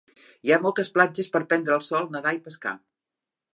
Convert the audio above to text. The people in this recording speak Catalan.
Hi ha moltes platges per prendre el sol, nedar i pescar.